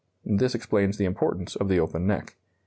This explains the importance of the open neck.